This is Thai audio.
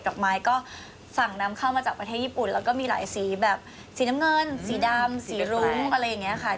กับไม้ก็สั่งนำเข้ามาจากประเทศญี่ปุ่นแล้วก็มีหลายสีแบบสีน้ำเงินสีดำสีรุ้งอะไรอย่างนี้ค่ะ